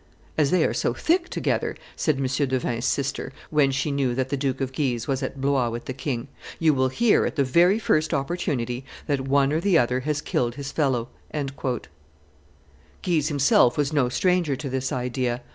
"As they are so thick together," said M. de Vins' sister, when she knew that the Duke of Guise was at Blois with the king, "you will hear, at the very first opportunity, that one or the other has killed his fellow." Guise himself was no stranger to this idea.